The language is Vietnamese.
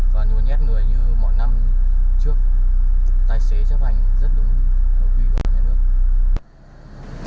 và nhu nhét người như mỗi năm trước tài xế chấp hành rất đúng đối quỳ với nhà nước